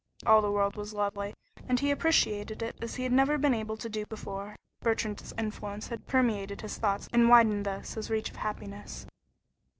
All the world was lovely, and he appreciated it as he had never been able to do before. Bertrand's influence had permeated his thoughts and widened thus his reach of happiness.